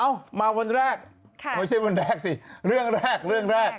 มาวันแรกไม่ใช่วันแรกสิเรื่องแรกเรื่องแรก